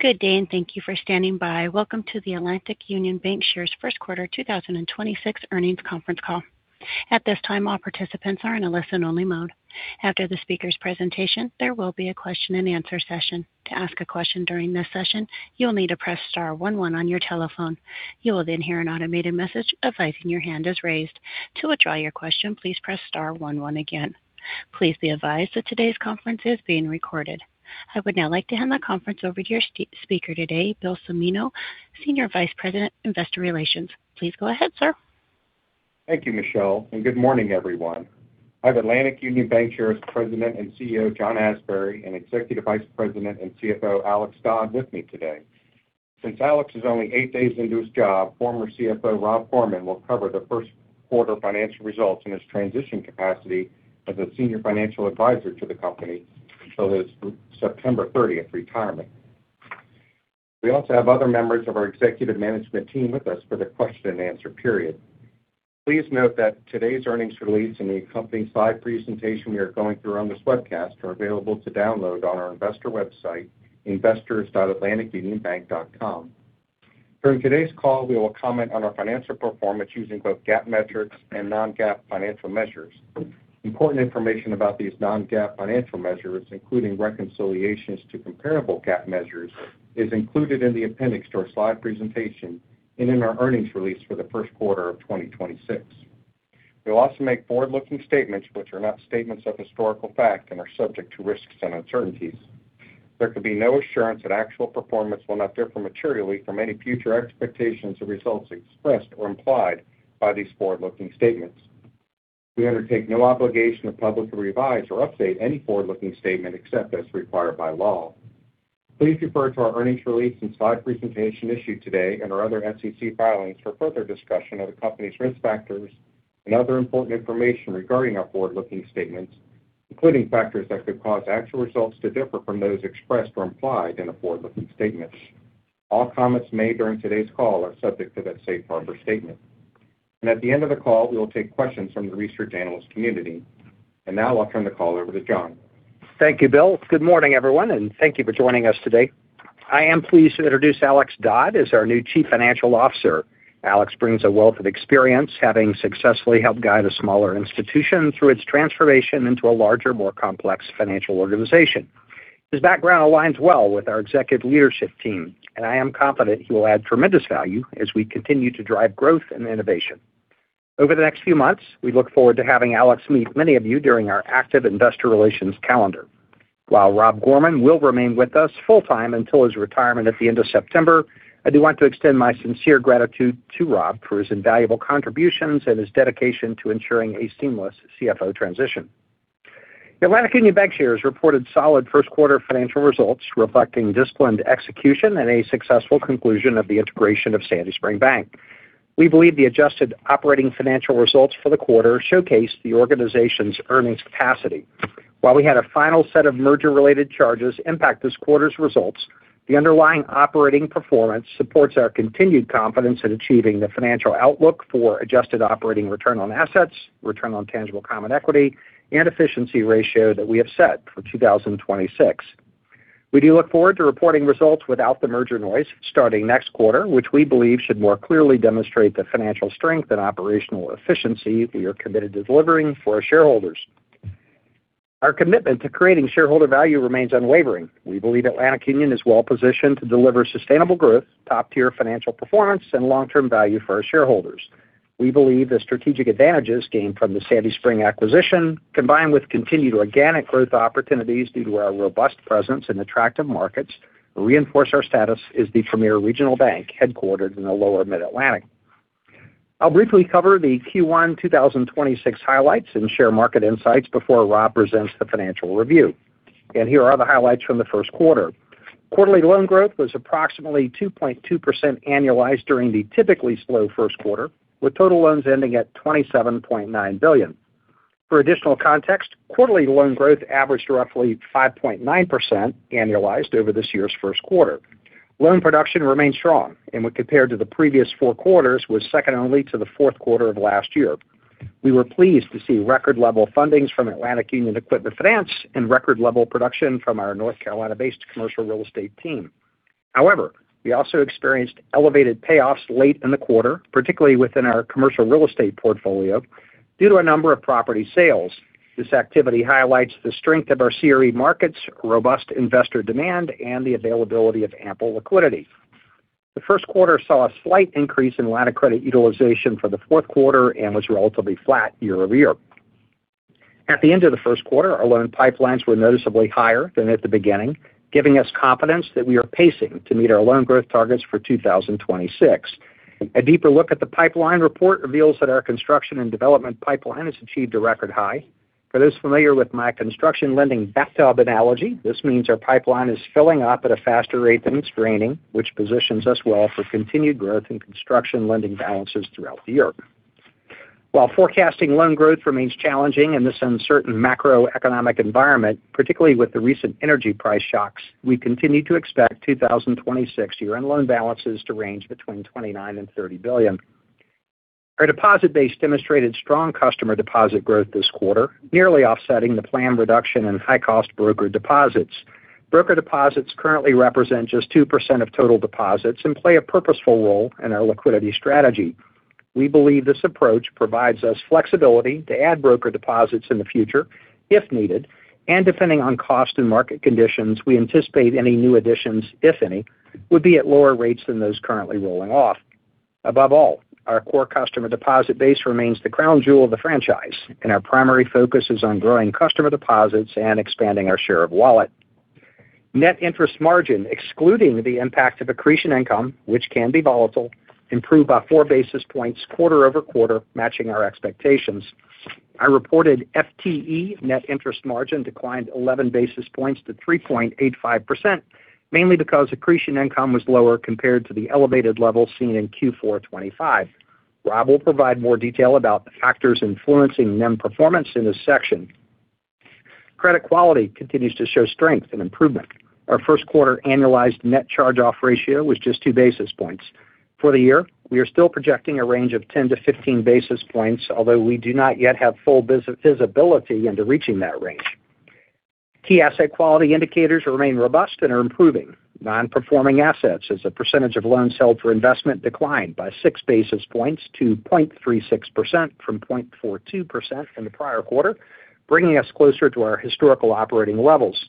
Good day, and thank you for standing by. Welcome to the Atlantic Union Bankshares' first quarter 2026 earnings conference call. At this time, all participants are in a listen-only mode. After the speaker's presentation, there will be a question-and-answer session. To ask a question during this session, you'll need to press star one one on your telephone. You will then hear an automated message advising your hand is raised. To withdraw your question, please press star one one again. Please be advised that today's conference is being recorded. I would now like to hand the conference over to your speaker today, Bill Cimino, Senior Vice President, Investor Relations. Please go ahead, sir. Thank you, Michelle, and good morning, everyone. I have Atlantic Union Bankshares President and CEO, John Asbury, and Executive Vice President and CFO, Alex Dodd, with me today. Since Alex is only eight days into his job, former CFO Rob Gorman will cover the first quarter financial results in his transition capacity as a senior financial advisor to the company until his September 30th retirement. We also have other members of our executive management team with us for the question-and-answer period. Please note that today's earnings release and the accompanying slide presentation we are going through on this webcast are available to download on our investor website, investors.atlanticunionbank.com. During today's call, we will comment on our financial performance using both GAAP metrics and non-GAAP financial measures. Important information about these non-GAAP financial measures, including reconciliations to comparable GAAP measures, is included in the appendix to our slide presentation and in our earnings release for the first quarter of 2026. We'll also make forward-looking statements which are not statements of historical fact and are subject to risks and uncertainties. There can be no assurance that actual performance will not differ materially from any future expectations or results expressed or implied by these forward-looking statements. We undertake no obligation to publicly revise or update any forward-looking statement, except as required by law. Please refer to our earnings release and slide presentation issued today and our other SEC filings for further discussion of the company's risk factors and other important information regarding our forward-looking statements, including factors that could cause actual results to differ from those expressed or implied in the forward-looking statements. All comments made during today's call are subject to that safe harbor statement. At the end of the call, we will take questions from the research analyst community. Now I'll turn the call over to John. Thank you, Bill. Good morning, everyone, and thank you for joining us today. I am pleased to introduce Alex Dodd as our new Chief Financial Officer. Alex brings a wealth of experience, having successfully helped guide a smaller institution through its transformation into a larger, more complex financial organization. His background aligns well with our executive leadership team, and I am confident he will add tremendous value as we continue to drive growth and innovation. Over the next few months, we look forward to having Alex meet many of you during our active investor relations calendar. While Rob Gorman will remain with us full-time until his retirement at the end of September, I do want to extend my sincere gratitude to Rob for his invaluable contributions and his dedication to ensuring a seamless CFO transition. Atlantic Union Bankshares reported solid first quarter financial results reflecting disciplined execution and a successful conclusion of the integration of Sandy Spring Bank. We believe the adjusted operating financial results for the quarter showcase the organization's earnings capacity. While we had a final set of merger-related charges impact this quarter's results, the underlying operating performance supports our continued confidence in achieving the financial outlook for adjusted operating return on assets, return on tangible common equity, and efficiency ratio that we have set for 2026. We do look forward to reporting results without the merger noise starting next quarter, which we believe should more clearly demonstrate the financial strength and operational efficiency we are committed to delivering for our shareholders. Our commitment to creating shareholder value remains unwavering. We believe Atlantic Union is well positioned to deliver sustainable growth, top-tier financial performance, and long-term value for our shareholders. We believe the strategic advantages gained from the Sandy Spring acquisition, combined with continued organic growth opportunities due to our robust presence in attractive markets, reinforce our status as the premier regional bank headquartered in the lower Mid-Atlantic. I'll briefly cover the Q1 2026 highlights and share market insights before Rob presents the financial review. Here are the highlights from the first quarter. Quarterly loan growth was approximately 2.2% annualized during the typically slow first quarter, with total loans ending at $27.9 billion. For additional context, quarterly loan growth averaged roughly 5.9% annualized over this year's first quarter. Loan production remained strong and when compared to the previous four quarters, was second only to the fourth quarter of last year. We were pleased to see record level fundings from Atlantic Union Equipment Finance and record level production from our North Carolina-based commercial real estate team. However, we also experienced elevated payoffs late in the quarter, particularly within our commercial real estate portfolio, due to a number of property sales. This activity highlights the strength of our CRE markets, robust investor demand, and the availability of ample liquidity. The first quarter saw a slight increase in line of credit utilization from the fourth quarter and was relatively flat year-over-year. At the end of the first quarter, our loan pipelines were noticeably higher than at the beginning, giving us confidence that we are pacing to meet our loan growth targets for 2026. A deeper look at the pipeline report reveals that our construction and development pipeline has achieved a record high. For those familiar with my construction lending bathtub analogy, this means our pipeline is filling up at a faster rate than it's draining, which positions us well for continued growth in construction lending balances throughout the year. While forecasting loan growth remains challenging in this uncertain macroeconomic environment, particularly with the recent energy price shocks, we continue to expect 2026 year-end loan balances to range between $29 billion and $30 billion. Our deposit base demonstrated strong customer deposit growth this quarter, nearly offsetting the planned reduction in high-cost broker deposits. Broker deposits currently represent just 2% of total deposits and play a purposeful role in our liquidity strategy. We believe this approach provides us flexibility to add broker deposits in the future if needed, and depending on cost and market conditions, we anticipate any new additions, if any, would be at lower rates than those currently rolling off. Above all, our core customer deposit base remains the crown jewel of the franchise, and our primary focus is on growing customer deposits and expanding our share of wallet. Net interest margin, excluding the impact of accretion income, which can be volatile, improved by four basis points quarter-over-quarter, matching our expectations. Our reported FTE net interest margin declined 11 basis points to 3.85%, mainly because accretion income was lower compared to the elevated level seen in Q4 2025. Rob will provide more detail about the factors influencing NIM performance in this section. Credit quality continues to show strength and improvement. Our first quarter annualized net charge-off ratio was just two basis points. For the year, we are still projecting a range of 10 basis points-15 basis points, although we do not yet have full visibility into reaching that range. Key asset quality indicators remain robust and are improving. Non-performing assets as a percentage of loans held for investment declined by 6 basis points to 0.36% from 0.42% in the prior quarter, bringing us closer to our historical operating levels.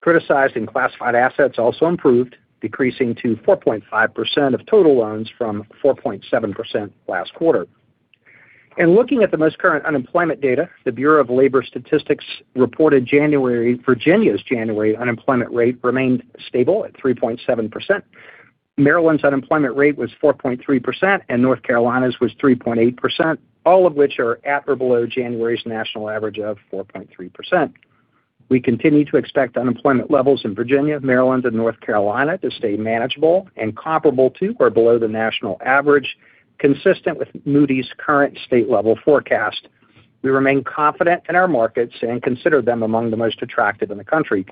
Criticized and classified assets also improved, decreasing to 4.5% of total loans from 4.7% last quarter. In looking at the most current unemployment data, the Bureau of Labor Statistics reported Virginia's January unemployment rate remained stable at 3.7%. Maryland's unemployment rate was 4.3%, and North Carolina's was 3.8%, all of which are at or below January's national average of 4.3%. We continue to expect unemployment levels in Virginia, Maryland, and North Carolina to stay manageable and comparable to or below the national average, consistent with Moody's current state-level forecast. We remain confident in our markets and consider them among the most attractive in the country.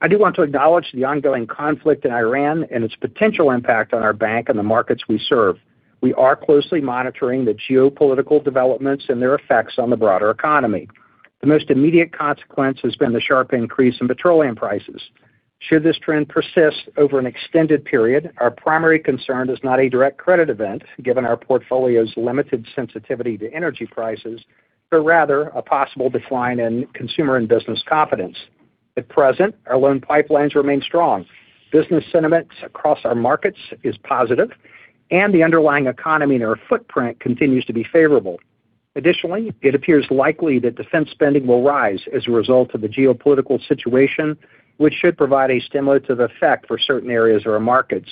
I do want to acknowledge the ongoing conflict in Iran and its potential impact on our bank and the markets we serve. We are closely monitoring the geopolitical developments and their effects on the broader economy. The most immediate consequence has been the sharp increase in petroleum prices. Should this trend persist over an extended period, our primary concern is not a direct credit event, given our portfolio's limited sensitivity to energy prices, but rather a possible decline in consumer and business confidence. At present, our loan pipelines remain strong. Business sentiments across our markets is positive and the underlying economy in our footprint continues to be favorable. Additionally, it appears likely that defense spending will rise as a result of the geopolitical situation, which should provide a stimulative effect for certain areas of our markets.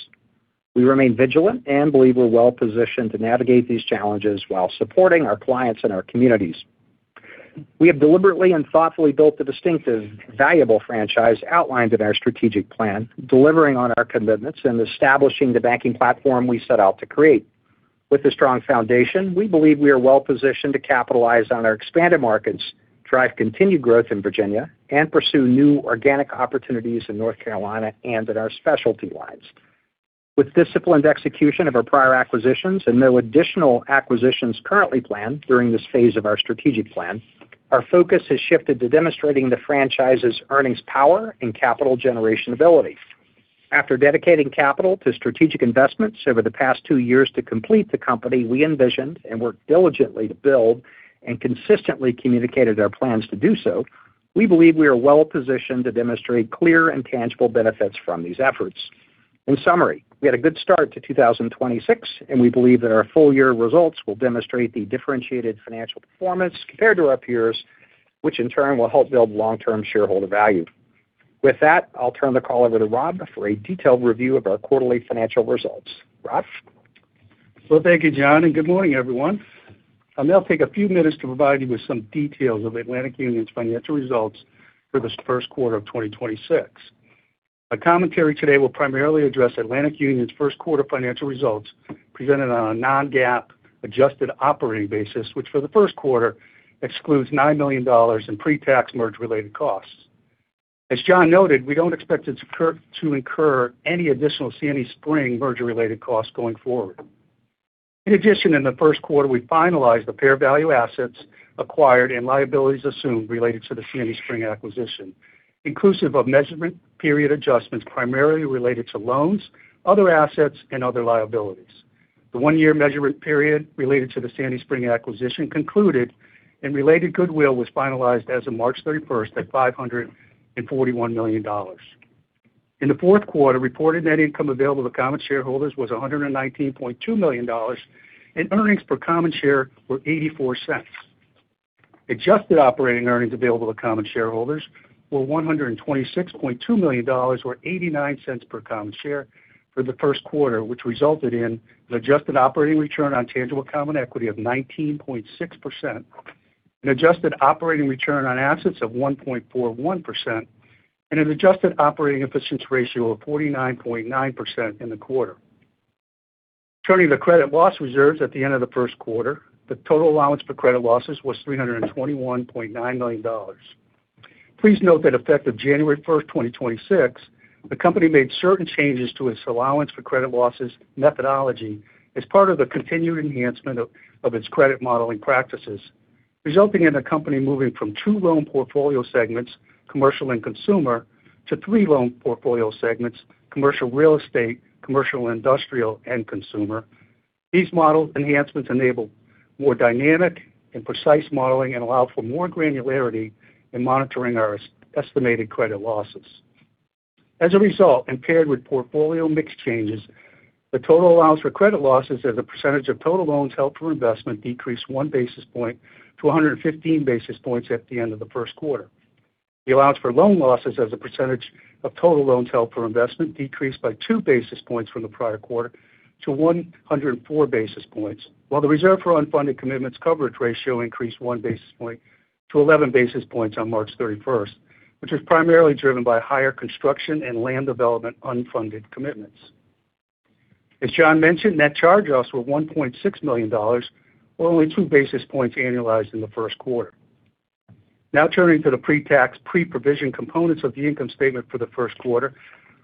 We remain vigilant and believe we're well positioned to navigate these challenges while supporting our clients and our communities. We have deliberately and thoughtfully built the distinctive, valuable franchise outlined in our strategic plan, delivering on our commitments and establishing the banking platform we set out to create. With a strong foundation, we believe we are well positioned to capitalize on our expanded markets, drive continued growth in Virginia, and pursue new organic opportunities in North Carolina and in our specialty lines. With disciplined execution of our prior acquisitions and no additional acquisitions currently planned during this phase of our strategic plan, our focus has shifted to demonstrating the franchise's earnings power and capital generation ability. After dedicating capital to strategic investments over the past two years to complete the company we envisioned and worked diligently to build and consistently communicated our plans to do so, we believe we are well positioned to demonstrate clear and tangible benefits from these efforts. In summary, we had a good start to 2026, and we believe that our full year results will demonstrate the differentiated financial performance compared to our peers, which in turn will help build long-term shareholder value. With that, I'll turn the call over to Rob for a detailed review of our quarterly financial results. Rob? Well, thank you, John, and good morning, everyone. I'll now take a few minutes to provide you with some details of Atlantic Union's financial results for this first quarter of 2026. My commentary today will primarily address Atlantic Union's first quarter financial results presented on a non-GAAP adjusted operating basis, which for the first quarter excludes $9 million in pre-tax merger-related costs. As John noted, we don't expect to incur any additional Sandy Spring merger-related costs going forward. In addition, in the first quarter, we finalized the fair value of assets acquired and liabilities assumed related to the Sandy Spring acquisition, inclusive of measurement period adjustments primarily related to loans, other assets and other liabilities. The one-year measurement period related to the Sandy Spring acquisition concluded and related goodwill was finalized as of March 31st at $541 million. In the fourth quarter, reported net income available to common shareholders was $119.2 million and earnings per common share were $0.84. Adjusted operating earnings available to common shareholders were $126.2 million or $0.89/common share for the first quarter, which resulted in an adjusted operating return on tangible common equity of 19.6%, an adjusted operating return on assets of 1.41%, and an adjusted operating efficiency ratio of 49.9% in the quarter. Turning to credit loss reserves at the end of the first quarter, the total allowance for credit losses was $321.9 million. Please note that effective January 1st, 2026, the company made certain changes to its allowance for credit losses methodology as part of the continued enhancement of its credit modeling practices, resulting in the company moving from two loan portfolio segments, commercial and consumer, to three loan portfolio segments, commercial real estate, commercial, industrial, and consumer. These model enhancements enable more dynamic and precise modeling and allow for more granularity in monitoring our estimated credit losses. As a result, and paired with portfolio mix changes, the total allowance for credit losses as a percentage of total loans held for investment decreased 1 basis point to 115 basis points at the end of the first quarter. The allowance for loan losses as a percentage of total loans held for investment decreased by 2 basis points from the prior quarter to 104 basis points, while the reserve for unfunded commitments coverage ratio increased 1 basis point to 11 basis points on March 31st, which was primarily driven by higher construction and land development unfunded commitments. As John mentioned, net charge-offs were $1.6 million, or only 2 basis points annualized in the first quarter. Now turning to the pre-tax, pre-provision components of the income statement for the first quarter.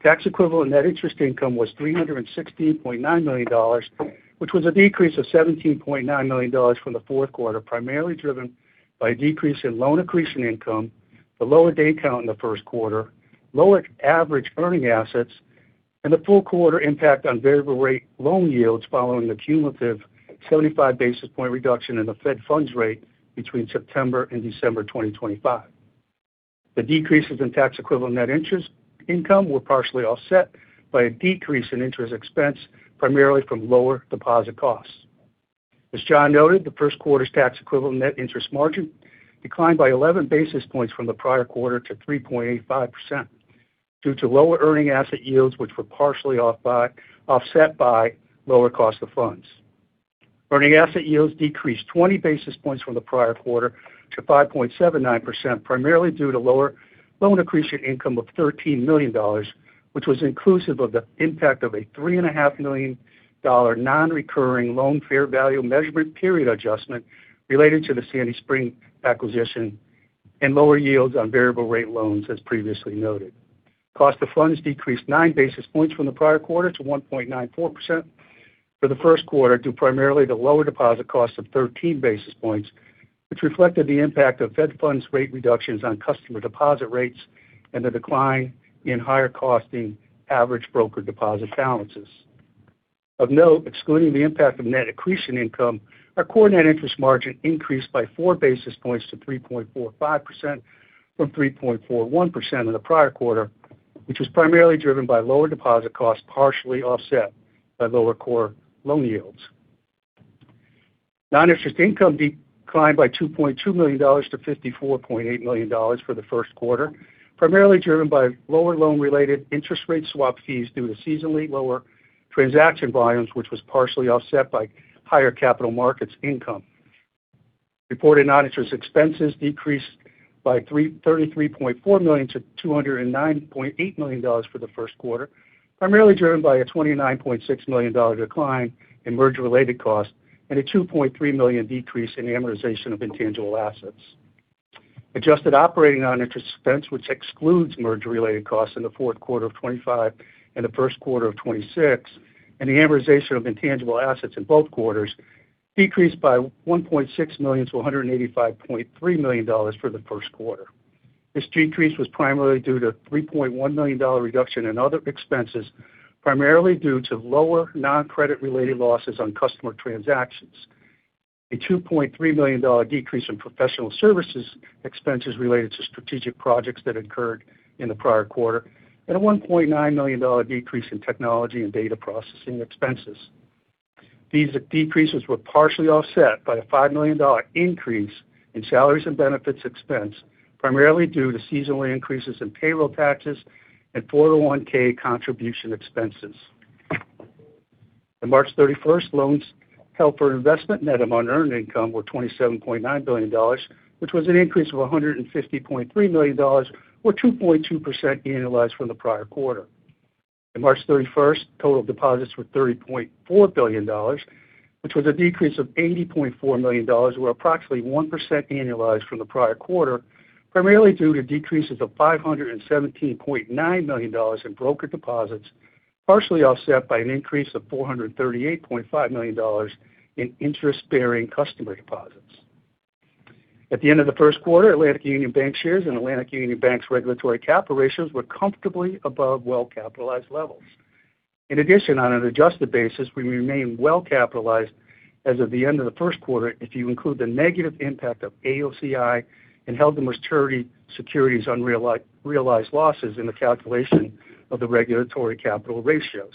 Tax equivalent net interest income was $316.9 million, which was a decrease of $17.9 million from the fourth quarter, primarily driven by a decrease in loan accretion income, the lower day count in the first quarter, lower average earning assets, and the full quarter impact on variable rate loan yields following the cumulative 75 basis points reduction in the Fed funds rate between September and December 2025. The decreases in tax equivalent net interest income were partially offset by a decrease in interest expense, primarily from lower deposit costs. As John noted, the first quarter's tax equivalent net interest margin declined by 11 basis points from the prior quarter to 3.85% due to lower earning asset yields, which were partially offset by lower cost of funds. Earning asset yields decreased 20 basis points from the prior quarter to 5.79%, primarily due to lower loan accretion income of $13 million, which was inclusive of the impact of a $3.5 million non-recurring loan fair value measurement period adjustment related to the Sandy Spring acquisition and lower yields on variable rate loans, as previously noted. Cost of funds decreased 9 basis points from the prior quarter to 1.94% for the first quarter, due primarily to lower deposit costs of 13 basis points, which reflected the impact of Fed funds rate reductions on customer deposit rates and the decline in higher costing average broker deposit balances. Of note, excluding the impact of net accretion income, our core net interest margin increased by 4 basis points to 3.45% from 3.41% in the prior quarter, which was primarily driven by lower deposit costs, partially offset by lower core loan yields. Non-interest income declined by $2.2 million to $54.8 million for the first quarter, primarily driven by lower loan-related interest rate swap fees due to seasonally lower transaction volumes, which was partially offset by higher capital markets income. Reported non-interest expenses decreased by $33.4 million to $209.8 million for the first quarter, primarily driven by a $29.6 million decline in merger-related costs and a $2.3 million decrease in amortization of intangible assets. Adjusted operating non-interest expense, which excludes merger-related costs in the fourth quarter of 2025 and the first quarter of 2026, and the amortization of intangible assets in both quarters, decreased by $1.6 million to $185.3 million for the first quarter. This decrease was primarily due to a $3.1 million reduction in other expenses, primarily due to lower non-credit related losses on customer transactions, a $2.3 million decrease in professional services expenses related to strategic projects that occurred in the prior quarter, and a $1.9 million decrease in technology and data processing expenses. These decreases were partially offset by a $5 million increase in salaries and benefits expense, primarily due to seasonal increases in payroll taxes and 401(k) contribution expenses. On March 31st, loans held for investment net of unearned income were $27.9 billion, which was an increase of $150.3 million, or 2.2% annualized from the prior quarter. On March 31st, total deposits were $30.4 billion, which was a decrease of $80.4 million, or approximately 1% annualized from the prior quarter, primarily due to decreases of $517.9 million in broker deposits, partially offset by an increase of $438.5 million in interest-bearing customer deposits. At the end of the first quarter, Atlantic Union Bankshares and Atlantic Union Bank's regulatory capital ratios were comfortably above well-capitalized levels. In addition, on an adjusted basis, we remain well-capitalized as of the end of the first quarter if you include the negative impact of AOCI and held-to-maturity securities unrealized losses in the calculation of the regulatory capital ratios.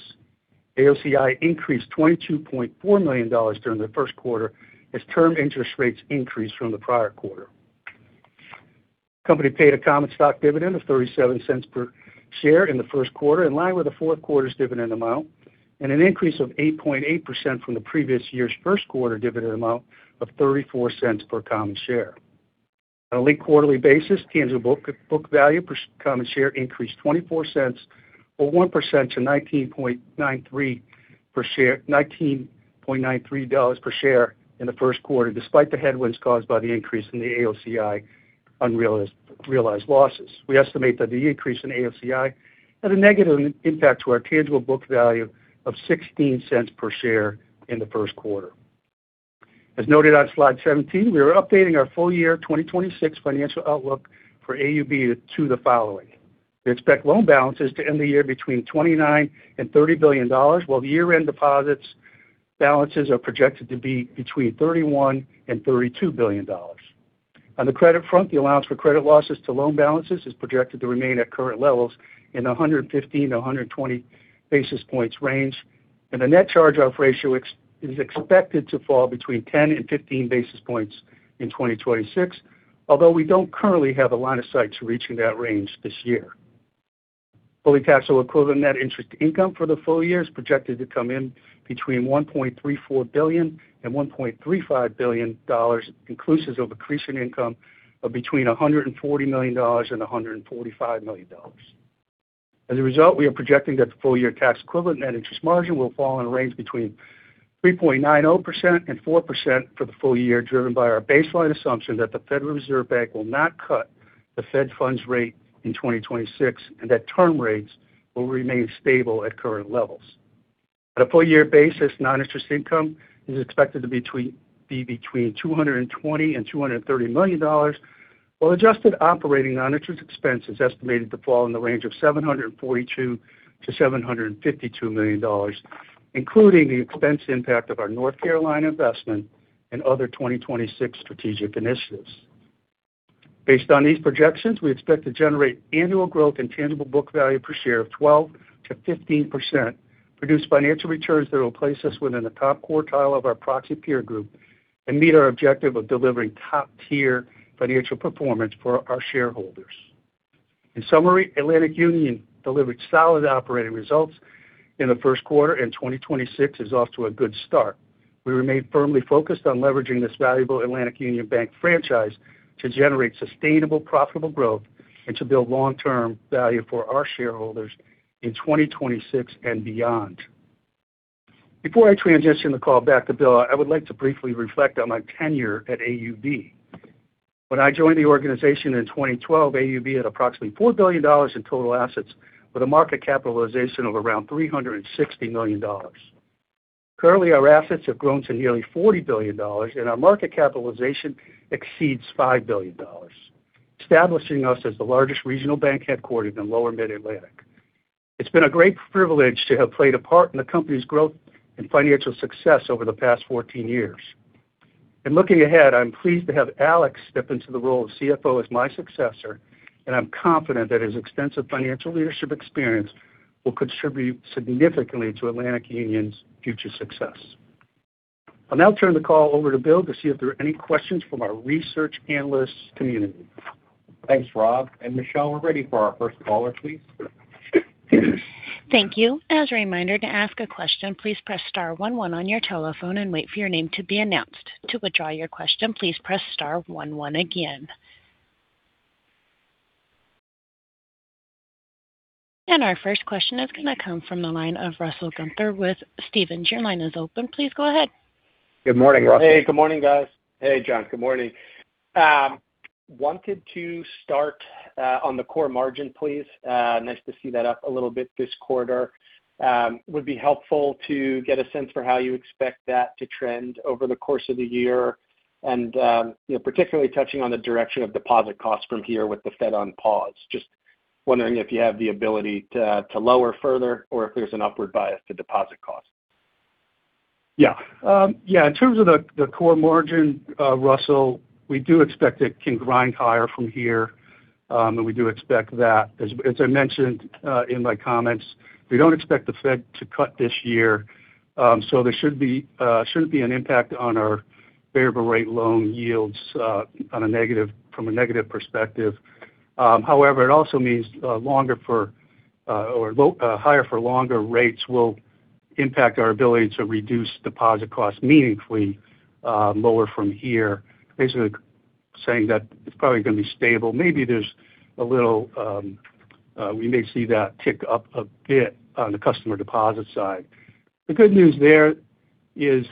AOCI increased $22.4 million during the first quarter as term interest rates increased from the prior quarter. The company paid a common stock dividend of $0.37/share in the first quarter, in line with the fourth quarter's dividend amount, and an increase of 8.8% from the previous year's first quarter dividend amount of $0.34/common share. On a linked quarterly basis, tangible book value per common share increased $0.24 or 1% to $19.93/share in the first quarter, despite the headwinds caused by the increase in the AOCI unrealized losses. We estimate that the increase in AOCI had a negative impact to our tangible book value of $0.16/share in the first quarter. As noted on slide 17, we are updating our full year 2026 financial outlook for AUB to the following. We expect loan balances to end the year between $29 billion and $30 billion, while the year-end deposits balances are projected to be between $31 billion-$32 billion. On the credit front, the allowance for credit losses to loan balances is projected to remain at current levels in 115 basis points-120 basis points range, and the net charge off ratio is expected to fall between 10 basis points-15 basis points in 2026, although we don't currently have a line of sight to reaching that range this year. Fully taxable equivalent net interest income for the full year is projected to come in between $1.34 billion and $1.35 billion, inclusive of accretion income of between $140 billion and $145 million. As a result, we are projecting that the full-year tax-equivalent net interest margin will fall in a range between 3.90% and 4% for the full year, driven by our baseline assumption that the Federal Reserve will not cut the Fed funds rate in 2026, and that term rates will remain stable at current levels. On a full-year basis, non-interest income is expected to be between $220 million and $230 million, while adjusted operating non-interest expense is estimated to fall in the range of $742 million-$752 million, including the expense impact of our North Carolina investment and other 2026 strategic initiatives. Based on these projections, we expect to generate annual growth in tangible book value per share of 12%-15%, produce financial returns that will place us within the top quartile of our proxy peer group, and meet our objective of delivering top-tier financial performance for our shareholders. In summary, Atlantic Union delivered solid operating results in the first quarter, and 2026 is off to a good start. We remain firmly focused on leveraging this valuable Atlantic Union Bank franchise to generate sustainable, profitable growth and to build long-term value for our shareholders in 2026 and beyond. Before I transition the call back to Bill, I would like to briefly reflect on my tenure at AUB. When I joined the organization in 2012, AUB had approximately $4 billion in total assets with a market capitalization of around $360 million. Currently, our assets have grown to nearly $40 billion, and our market capitalization exceeds $5 billion, establishing us as the largest regional bank headquartered in lower mid-Atlantic. It's been a great privilege to have played a part in the company's growth and financial success over the past 14 years. Looking ahead, I'm pleased to have Alex step into the role of CFO as my successor, and I'm confident that his extensive financial leadership experience will contribute significantly to Atlantic Union's future success. I'll now turn the call over to Bill to see if there are any questions from our research analyst community. Thanks, Rob. Michelle, we're ready for our first caller, please. Thank you. As a reminder to ask a question, please press star one one on your telephone and wait for your name to be announced. To withdraw your question, please press star one one again. Our first question is going to come from the line of Russell Gunther with Stephens. Your line is open. Please go ahead. Good morning, Russ. Hey, good morning, guys. Hey, John. Good morning. I wanted to start on the core margin, please. It's nice to see that up a little bit this quarter. It would be helpful to get a sense for how you expect that to trend over the course of the year and particularly touching on the direction of deposit costs from here with the Fed on pause. I'm just wondering if you have the ability to lower further or if there's an upward bias to deposit costs. Yeah. In terms of the core margin, Russell, we do expect it can grind higher from here. We do expect that. As I mentioned in my comments, we don't expect the Fed to cut this year. There shouldn't be an impact on our variable rate loan yields from a negative perspective. However, it also means higher for longer rates will impact our ability to reduce deposit costs meaningfully lower from here. Basically saying that it's probably going to be stable. Maybe we may see that tick up a bit on the customer deposit side. The good news there is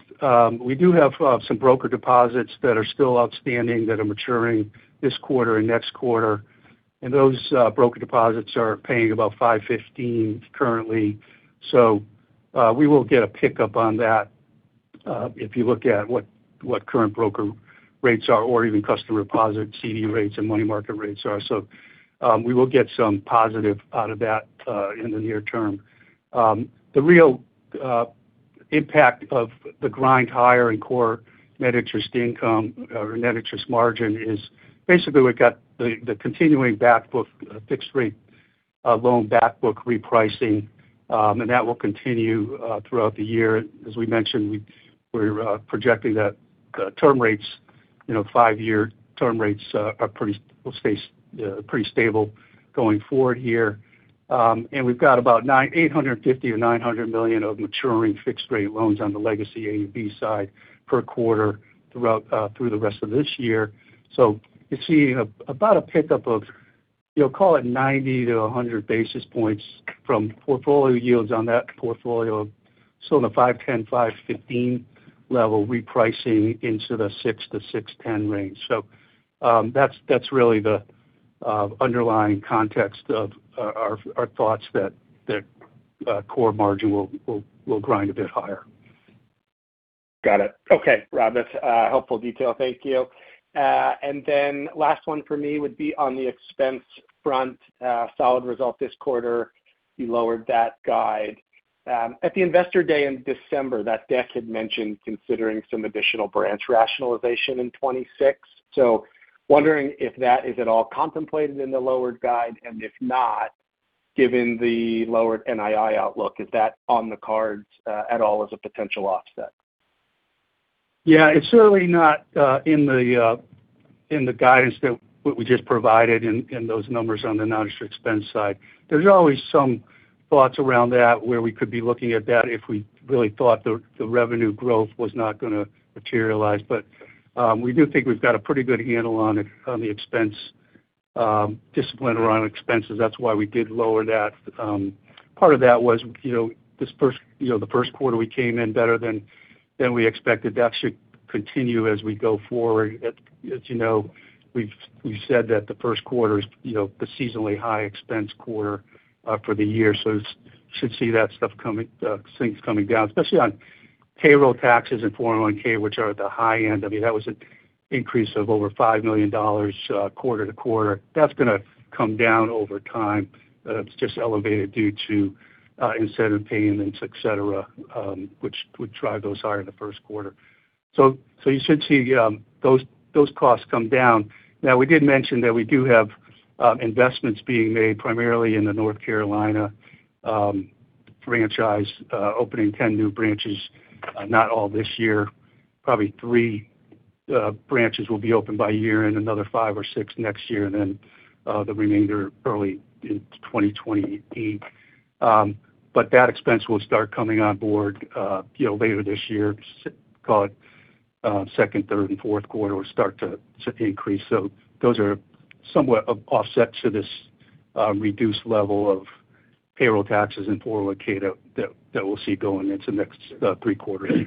we do have some broker deposits that are still outstanding that are maturing this quarter and next quarter, and those broker deposits are paying about 5.15% currently. We will get a pickup on that if you look at what current broker rates are or even customer deposit CD rates and money market rates are. We will get some positive out of that in the near term. The real impact of the grind higher in core net interest income or net interest margin is basically we've got the continuing back book fixed rate loan back book repricing, and that will continue throughout the year. As we mentioned, we're projecting that term rates, five-year term rates are pretty stable going forward here. We've got about $850 million-$900 million of maturing fixed rate loans on the legacy AUB side per quarter through the rest of this year. You're seeing about a pickup of. You'll call it 90 basis points-100 basis points from portfolio yields on that portfolio. The 5.10%, 5.15% level repricing into the 6.00%-6.10% range. That's really the underlying context of our thoughts that core margin will grind a bit higher. Got it. Okay, Rob, that's helpful detail. Thank you. Then last one for me would be on the expense front. Solid result this quarter. You lowered that guide. At the investor day in December, that deck had mentioned considering some additional branch rationalization in 2026. Wondering if that is at all contemplated in the lowered guide, and if not, given the lowered NII outlook, is that on the cards at all as a potential offset? Yeah. It's certainly not in the guidance that we just provided in those numbers on the non-interest expense side. There's always some thoughts around that, where we could be looking at that if we really thought the revenue growth was not going to materialize. We do think we've got a pretty good handle on the expense discipline around expenses. That's why we did lower that. Part of that was the first quarter we came in better than we expected. That should continue as we go forward. As you know, we've said that the first quarter is the seasonally high expense quarter for the year. Should see that stuff coming down, things coming down, especially on payroll taxes and 401(k), which are at the high end. I mean, that was an increase of over $5 million quarter-to-quarter. That's going to come down over time. It's just elevated due to incentive payments, et cetera, which would drive those higher in the first quarter. You should see those costs come down. Now, we did mention that we do have investments being made primarily in the North Carolina franchise, opening 10 new branches. Not all this year. Probably three branches will be open by year-end, another five or six next year, and then the remainder early in 2028. That expense will start coming on board later this year. Call it second, third, and fourth quarter will start to increase. Those are somewhat offsets to this reduced level of payroll taxes and 401(k) that we'll see going into the next three quarters.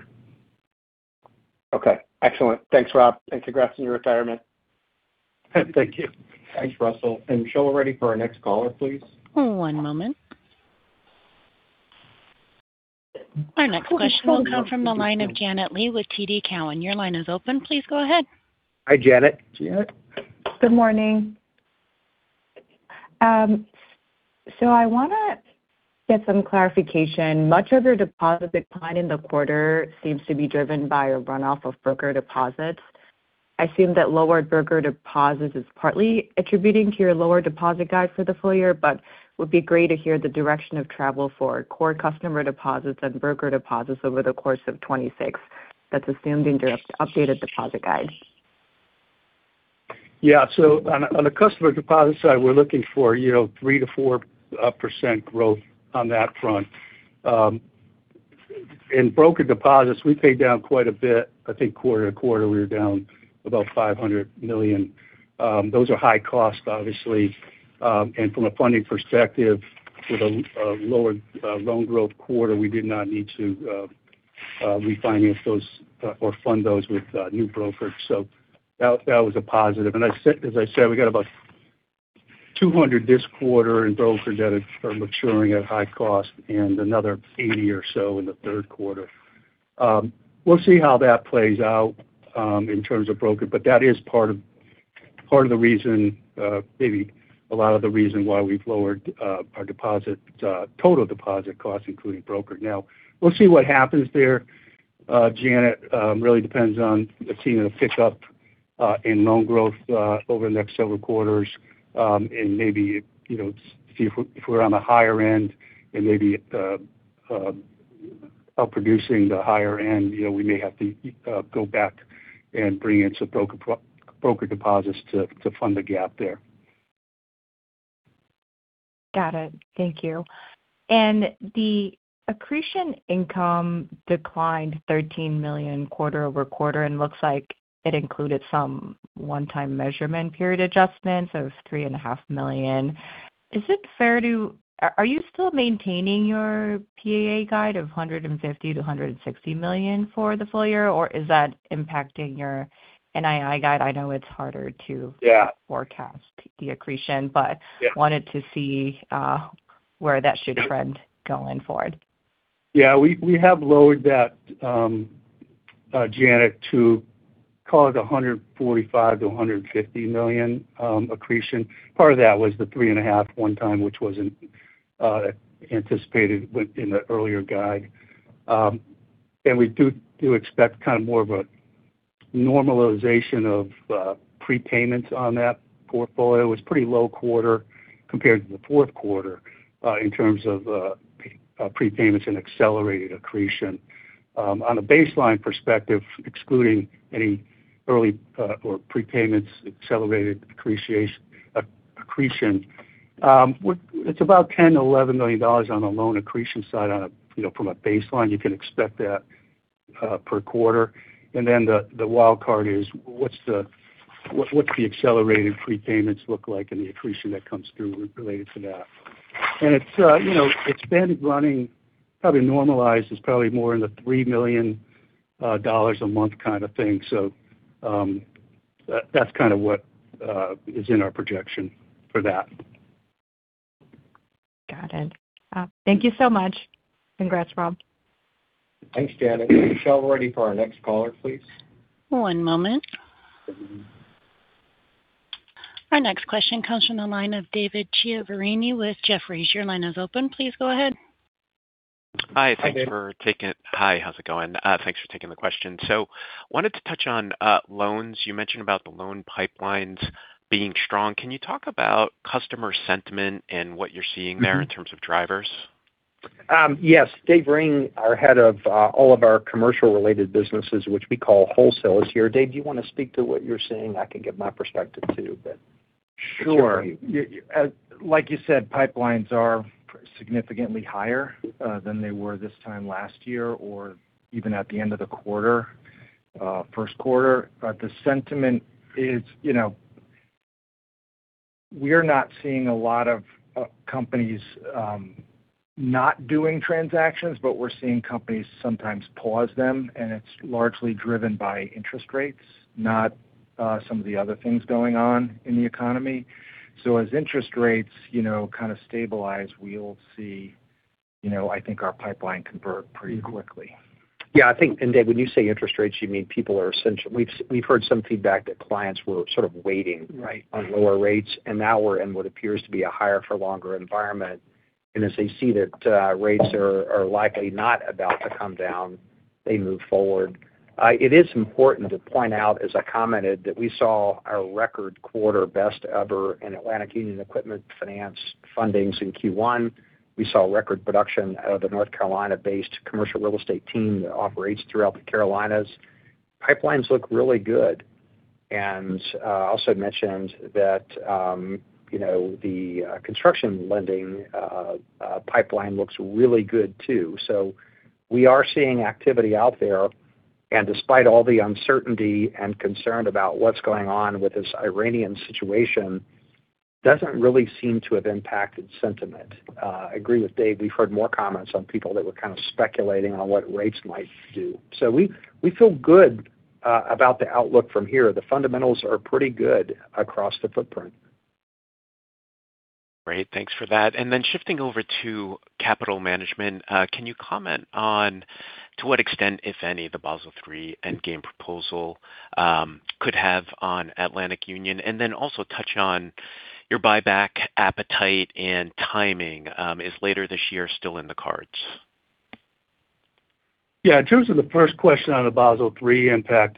Okay. Excellent. Thanks, Rob. Congrats on your retirement. Thank you. Thanks, Russell. Michelle, we're ready for our next caller, please. One moment. Our next question will come from the line of Janet Lee with TD Cowen. Your line is open. Please go ahead. Hi, Janet. Janet. Good morning. I want to get some clarification. Much of your deposit decline in the quarter seems to be driven by a runoff of broker deposits. I assume that lowered broker deposits is partly attributing to your lower deposit guide for the full year, but would be great to hear the direction of travel for core customer deposits and broker deposits over the course of 2026. That's assuming your updated deposit guide. Yeah. On the customer deposit side, we're looking for 3%-4% growth on that front. In broker deposits, we paid down quite a bit. I think quarter-to-quarter, we were down about $500 million. Those are high cost, obviously. From a funding perspective, with a lower loan growth quarter, we did not need to refinance those or fund those with new brokers. That was a positive. As I said, we got about $200 million this quarter in brokers that are maturing at high cost and another $80 million or so in the third quarter. We'll see how that plays out in terms of broker, but that is part of the reason, maybe a lot of the reason why we've lowered our total deposit cost, including broker. Now we'll see what happens there, Janet. Really depends on seeing a pick-up in loan growth over the next several quarters. Maybe see if we're on the higher end and maybe outproducing the higher end, we may have to go back and bring in some broker deposits to fund the gap there. Got it. Thank you. The accretion income declined $13 million quarter-over-quarter and looks like it included some one-time measurement period adjustments of $3.5 million. Are you still maintaining your PAA guide of $150 million-$160 million for the full year, or is that impacting your NII guide? I know it's harder to- Yeah. -forecast the accretion, but- Yeah. -wanted to see where that should trend going forward. Yeah. We have lowered that, Janet, to call it $145 million-$150 million accretion. Part of that was the $3.5 million one-time, which wasn't anticipated within the earlier guide. We do expect kind of more of a normalization of prepayments on that portfolio. It's pretty low quarter compared to the fourth quarter in terms of prepayments and accelerated accretion. On a baseline perspective, excluding any early or prepayments, accelerated accretion, it's about $10 million-$11 million on the loan accretion side from a baseline. You can expect that per quarter. Then the wild card is what's the accelerated prepayments look like and the accretion that comes through related to that. It's been running, probably normalized, it's probably more in the $3 million a month kind of thing. That's what is in our projection for that. Got it. Thank you so much. Congrats, Rob. Thanks, Janet. Michelle, we're ready for our next caller, please. One moment. Our next question comes from the line of David Chiaverini with Jefferies. Your line is open. Please go ahead. Hi. Thanks for taking it. Hi, how's it going? Thanks for taking the question. Wanted to touch on loans. You mentioned about the loan pipelines being strong. Can you talk about customer sentiment and what you're seeing there in terms of drivers? Yes. Dave Ring, our head of all of our commercial related businesses, which we call wholesale, is here. Dave, do you want to speak to what you're seeing? I can give my perspective too, but what's your view? Sure. Like you said, pipelines are significantly higher than they were this time last year or even at the end of the quarter, first quarter. The sentiment is we're not seeing a lot of companies not doing transactions, but we're seeing companies sometimes pause them, and it's largely driven by interest rates, not some of the other things going on in the economy. As interest rates kind of stabilize, we'll see, I think our pipeline convert pretty quickly. Yeah, I think, and Dave, when you say interest rates, you mean. We've heard some feedback that clients were sort of waiting right on lower rates. Now we're in what appears to be a higher for longer environment. As they see that rates are likely not about to come down, they move forward. It is important to point out, as I commented, that we saw a record quarter, best ever in Atlantic Union Equipment Finance fundings in Q1. We saw record production out of the North Carolina-based commercial real estate team that operates throughout the Carolinas. Pipelines look really good. Also mentioned that the construction lending pipeline looks really good too. So we are seeing activity out there, and despite all the uncertainty and concern about what's going on with this Iranian situation, doesn't really seem to have impacted sentiment. I agree with Dave. We've heard more comments on people that were kind of speculating on what rates might do. We feel good about the outlook from here. The fundamentals are pretty good across the footprint. Great. Thanks for that. Shifting over to capital management, can you comment on to what extent, if any, the Basel III endgame proposal could have on Atlantic Union? Touch on your buyback appetite and timing. Is later this year still in the cards? Yeah. In terms of the first question on the Basel III impact,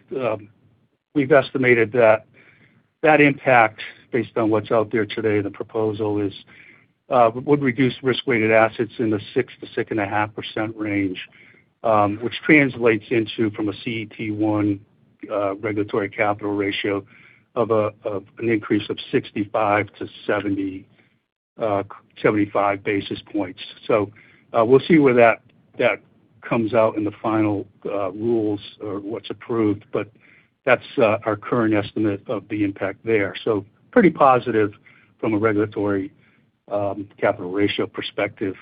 we've estimated that impact based on what's out there today, the proposal would reduce risk-weighted assets in the 6%-6.5% range which translates into, from a CET1 regulatory capital ratio of an increase of 65 basis points-75 basis points. We'll see where that comes out in the final rules or what's approved. That's our current estimate of the impact there. Pretty positive from a regulatory capital ratio perspective.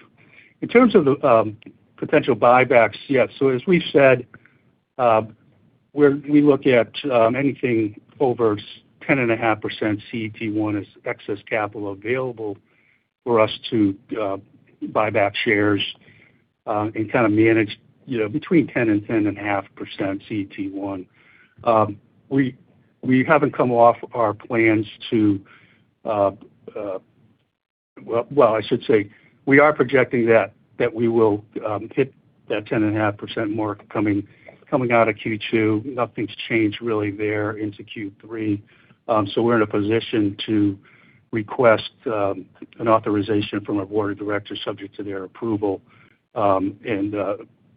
In terms of the potential buybacks, yeah. As we've said, we look at anything over 10.5% CET1 as excess capital available for us to buy back shares and kind of manage between 10%-10.5% CET1. We haven't come off our plans. Well, I should say, we are projecting that we will hit that 10.5% mark coming out of Q2. Nothing's changed really there into Q3. We're in a position to request an authorization from our board of directors subject to their approval.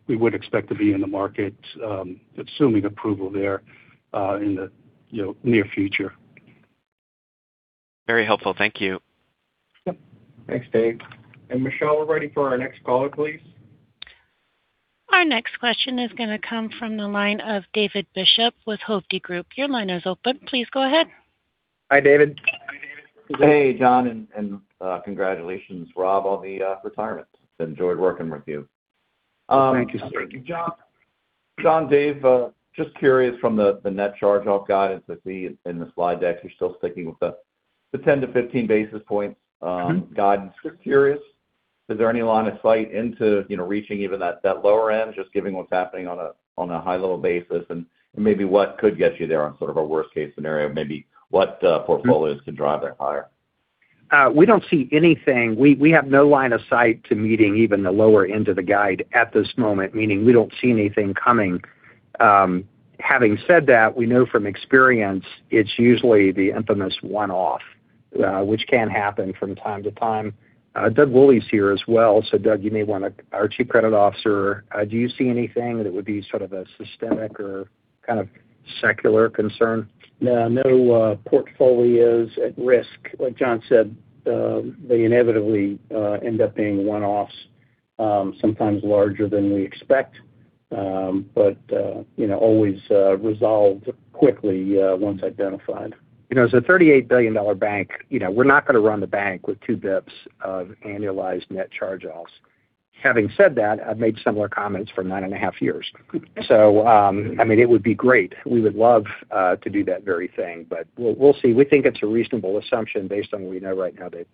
We would expect to be in the market assuming approval there in the near future. Very helpful. Thank you. Yep. Thanks, Dave. Michelle, we're ready for our next caller, please. Our next question is going to come from the line of David Bishop with Hovde Group. Your line is open. Please go ahead. Hi, David. Hey, John, and congratulations, Rob, on the retirement. Enjoyed working with you. Thank you, sir. John, Dave, just curious from the net charge-off guidance I see in the slide deck, you're still sticking with the 10 basis points-15 basis points guidance. Just curious, is there any line of sight into reaching even that lower end, just given what's happening on a high level basis? Maybe what could get you there on sort of a worst-case scenario? Maybe what portfolios could drive that higher? We don't see anything. We have no line of sight to meeting even the lower end of the guide at this moment, meaning we don't see anything coming. Having said that, we know from experience it's usually the infamous one-off which can happen from time to time. Doug Woolley is here as well. So Doug, our Chief Credit Officer, do you see anything that would be sort of a systemic or kind of secular concern? No. No portfolios at risk. Like John said, they inevitably end up being one-offs. Sometimes larger than we expect. Always resolved quickly once identified. As a $38 billion bank, we're not going to run the bank with two basis points of annualized net charge-offs. Having said that, I've made similar comments for 9.5 years. It would be great. We would love to do that very thing, but we'll see. We think it's a reasonable assumption based on what we know right now, Dave.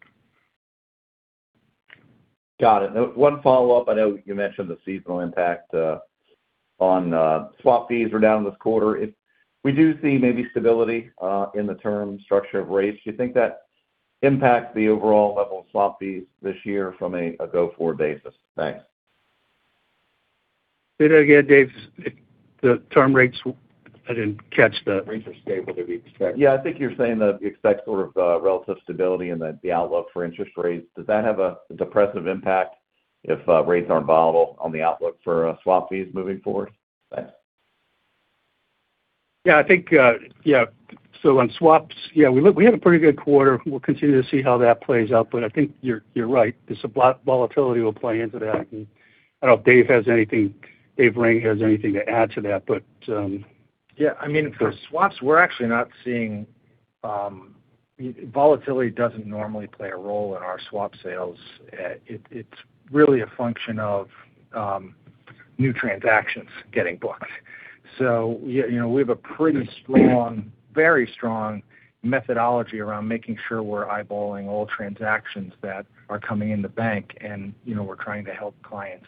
Got it. One follow-up. I know you mentioned the seasonal impact on swap fees are down this quarter. If we do see maybe stability in the term structure of rates, do you think that impacts the overall level of swap fees this year from a go-forward basis? Thanks. Say that again, Dave. The term rates, I didn't catch that. Rates are stable as we expect. Yeah, I think you're saying that we expect sort of relative stability in the outlook for interest rates. Does that have a depressive impact if rates aren't volatile on the outlook for swap fees moving forward? Thanks. Yeah, on swaps, we had a pretty good quarter. We'll continue to see how that plays out, but I think you're right. There's some volatility that will play into that. I don't know if Dave has anything to add to that, but. Yeah. Volatility doesn't normally play a role in our swap sales. It's really a function of new transactions getting booked. We have a very strong methodology around making sure we're eyeballing all transactions that are coming in the bank, and we're trying to help clients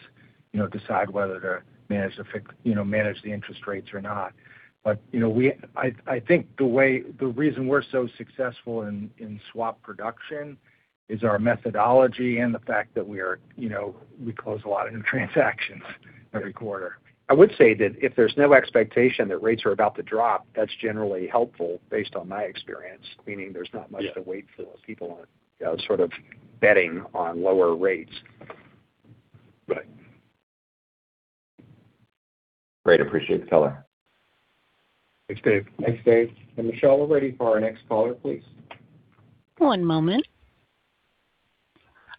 decide whether to manage the interest rates or not. I think the reason we're so successful in swap production is our methodology and the fact that we close a lot of new transactions every quarter. I would say that if there's no expectation that rates are about to drop, that's generally helpful based on my experience. Meaning there's not much to wait for. People aren't sort of betting on lower rates. Right. Great. Appreciate the color. Thanks, Dave. Thanks, Dave. Michelle, we're ready for our next caller, please. One moment.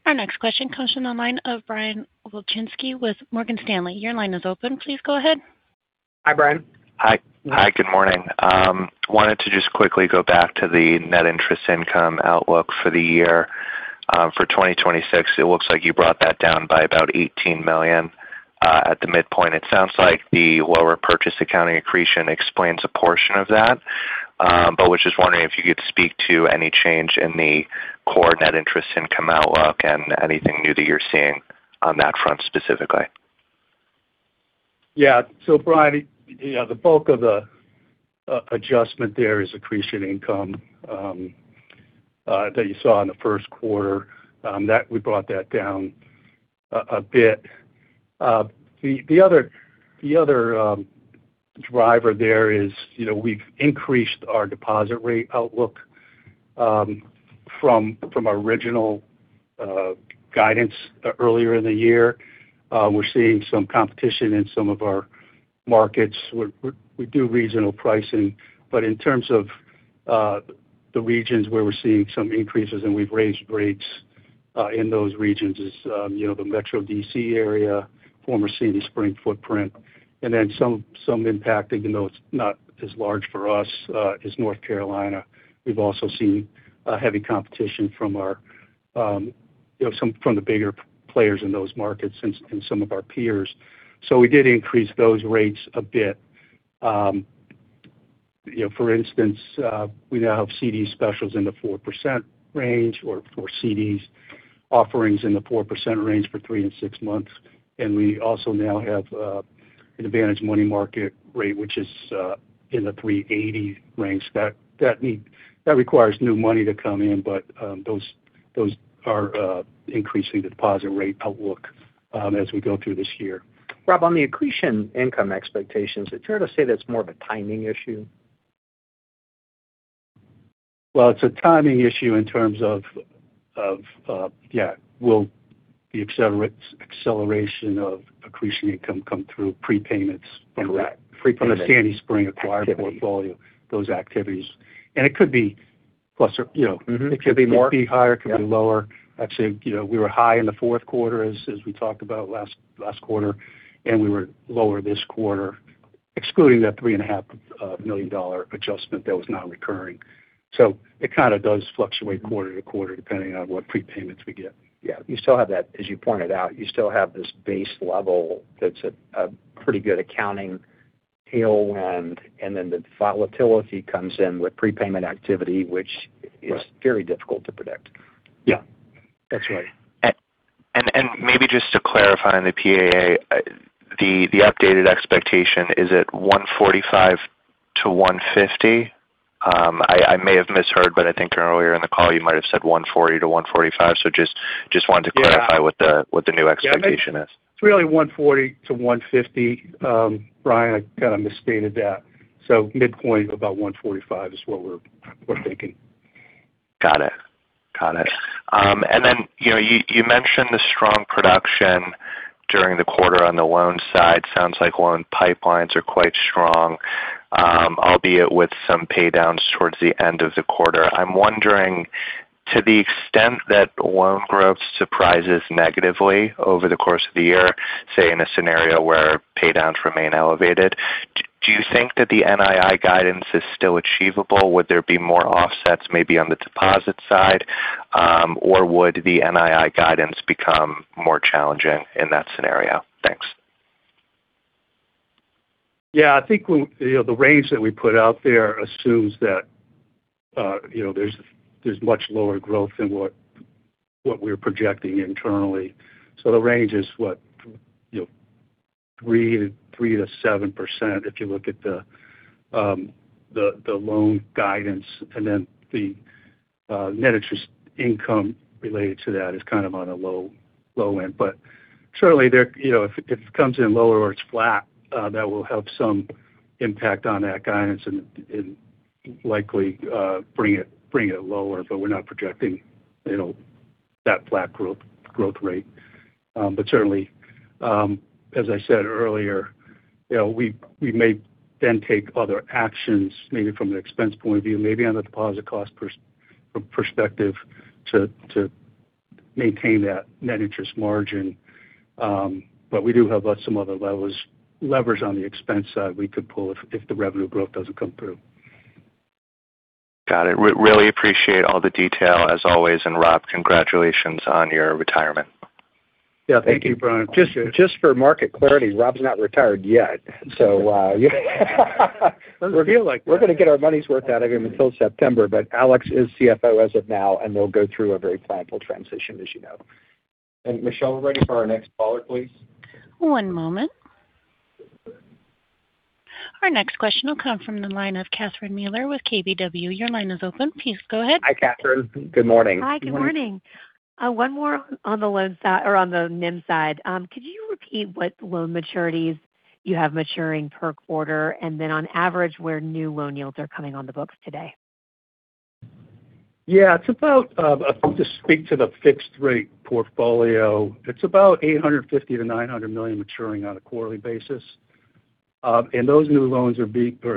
Our next question comes from the line of Brian Wilczynski with Morgan Stanley. Your line is open. Please go ahead. Hi, Brian. Hi, good morning. Wanted to just quickly go back to the net interest income outlook for the year. For 2026, it looks like you brought that down by about $18 million at the midpoint. It sounds like the lower purchase accounting accretion explains a portion of that. Was just wondering if you could speak to any change in the core net interest income outlook and anything new that you're seeing on that front specifically. Yeah. Brian, the bulk of the adjustment there is accretion income that you saw in the first quarter. We brought that down a bit. The other driver there is we've increased our deposit rate outlook from our original guidance earlier in the year. We're seeing some competition in some of our markets. We do regional pricing, but in terms of the regions where we're seeing some increases and we've raised rates in those regions is the Metro D.C. area, former Sandy Spring footprint, and then some impact, even though it's not as large for us, is North Carolina. We've also seen heavy competition from the bigger players in those markets and some of our peers. We did increase those rates a bit. For instance, we now have CD specials in the 4% range, or for CDs offerings in the 4% range for three and six months. We also now have an advantage money market rate, which is in the 3.80 range. That requires new money to come in. Those are increasing the deposit rate outlook as we go through this year. Rob, on the accretion income expectations, is it fair to say that's more of a timing issue? Well, it's a timing issue in terms of will the acceleration of accretion income come through prepayments. Correct. Prepayments. From the Sandy Spring acquired portfolio, those activities. It could be cluster. It could be more. It could be higher, it could be lower. Actually, we were high in the fourth quarter as we talked about last quarter, and we were lower this quarter, excluding that $3.5 million adjustment that was non-recurring. It kind of does fluctuate quarter-to-quarter depending on what prepayments we get. Yeah. As you pointed out, you still have this base level that's a pretty good accounting tailwind, and then the volatility comes in with prepayment activity, which is very difficult to predict. Yeah. That's right. Maybe just to clarify on the PAA, the updated expectation, is it $145 million-$150 million? I may have misheard, but I think earlier in the call you might have said $140 million-$145 million. Just wanted to clarify what the new expectation is. It's really $140 million-$150 million. Brian, I kind of misstated that. Midpoint of about $145 million is what we're thinking. Got it. Then you mentioned the strong production during the quarter on the loan side. Sounds like loan pipelines are quite strong, albeit with some pay downs towards the end of the quarter. I'm wondering to the extent that loan growth surprises negatively over the course of the year, say, in a scenario where pay downs remain elevated, do you think that the NII guidance is still achievable? Would there be more offsets maybe on the deposit side? Or would the NII guidance become more challenging in that scenario? Thanks. Yeah. I think the range that we put out there assumes that there's much lower growth than what we're projecting internally. The range is what? 3%-7%, if you look at the loan guidance and then the net interest income related to that is kind of on a low end. Surely, if it comes in lower or it's flat, that will have some impact on that guidance and likely bring it lower. We're not projecting that flat growth rate. Certainly, as I said earlier, we may then take other actions, maybe from an expense point of view, maybe on a deposit cost perspective to maintain that net interest margin. We do have some other levers on the expense side we could pull if the revenue growth doesn't come through. Got it. Really appreciate all the detail as always, and Rob, congratulations on your retirement. Yeah. Thank you, Brian. Just for market clarity, Rob's not retired yet. We're going to get our money's worth out of him until September. Alex is CFO as of now, and we'll go through a very planful transition, as you know. Michelle, we're ready for our next caller, please. One moment. Our next question will come from the line of Catherine Mealor with KBW. Your line is open. Please go ahead. Hi, Catherine. Good morning. Hi, good morning. One more on the NIM side. Could you repeat what loan maturities you have maturing per quarter, and then on average, where new loan yields are coming on the books today? Yeah. To speak to the fixed rate portfolio, it's about $850 million-$900 million maturing on a quarterly basis. Those new loans or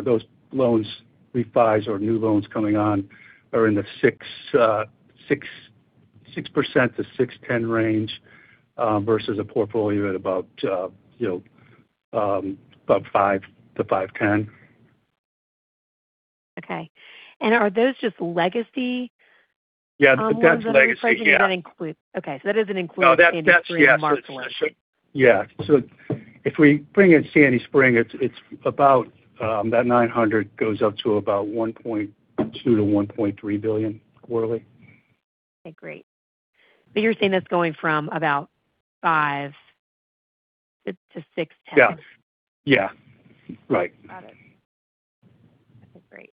those loans refis or new loans coming on are in the 6%-6.10% range, versus a portfolio at about 5%-5.10%. Okay. Are those just legacy? Yeah. That's legacy, yeah. Okay. That doesn't include Sandy Spring and [Marshall]. Yeah. If we bring in Sandy Spring, that $900 million goes up to about $1.2 billion-$1.3 billion quarterly. Okay, great. You're saying that's going from about 5%-6.10%? Yeah. Right. Got it. Okay,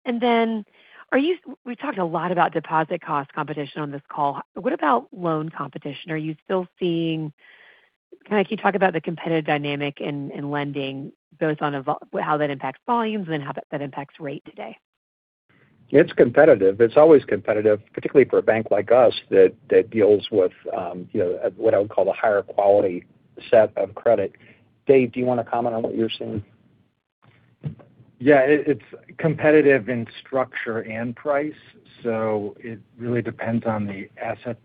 great. We've talked a lot about deposit cost competition on this call. What about loan competition? Can you talk about the competitive dynamic in lending, both on how that impacts volumes and how that impacts rate today? It's competitive. It's always competitive, particularly for a bank like us that deals with what I would call a higher quality set of credit. Dave, do you want to comment on what you're seeing? Yeah. It's competitive in structure and price. It really depends on the asset.